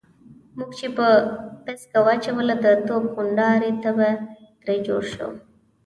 موږ چې به پسکه واچوله د توپ غونډاری به ترې جوړ شو.